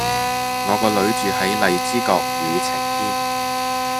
我個女住喺荔枝角宇晴軒